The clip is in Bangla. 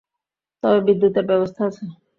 তবে বিদ্যুতের ব্যবস্থা আছে।